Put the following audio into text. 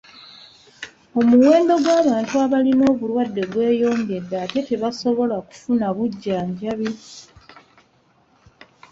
Omuwendo gw'abantu abalina obulwadde gweyongedde ate tebasobola kufuna bujjanjabi.